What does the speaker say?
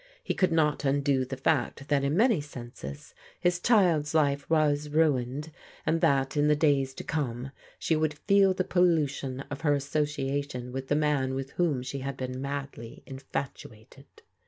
He could not undo the fact that in many senses his child's life was ruined, and that in the days to come she wo\ild i^A >ivt. '^i&MJaKscL ^\ 830 PBODIGAL DAUGHTEBS her association with the man with whom she had bee& madly infatuated.